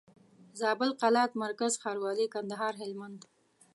زابل قلات مرکز ښاروالي کندهار هلمند